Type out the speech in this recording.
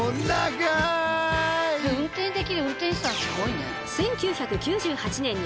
運転できる運転手さんすごいね。